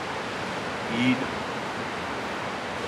İyiydim.